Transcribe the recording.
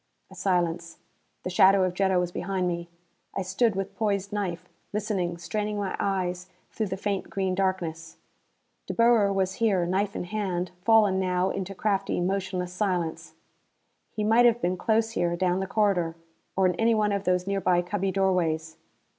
A silence. The shadow of Jetta was behind me. I stood with poised knife, listening, straining my eyes through the faint green darkness. De Boer was here, knife in hand, fallen now into craftly, motionless silence. He might have been close here down the corridor. Or in any one of these nearby cubby doorways.